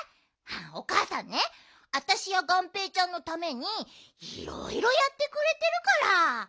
おかあさんねあたしやがんぺーちゃんのためにいろいろやってくれてるから。